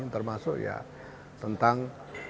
termasuk ya tentang